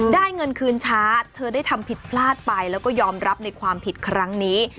ได้เงินคืนช้าเธอได้ทำผิดพลาดไปแล้วก็ยอมรับในความผิดครั้งนี้